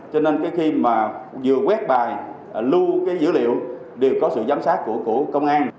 cho nên khi vừa quét bài lưu dữ liệu đều có sự giám sát của công an